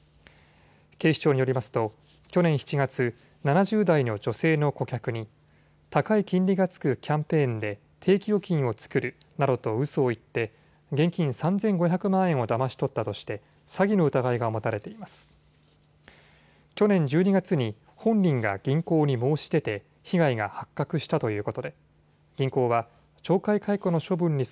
警視庁によりますと去年７月、７０代の女性の顧客に高い金利が付くキャンペーンで定期預金を作るなどとうそを言って現金３５００万円をだまし取ったとして詐欺の疑いが持たれています。